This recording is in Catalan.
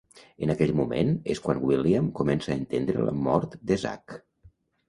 En aquell moment és quan William comença a entendre la mort de Zach.